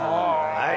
はい！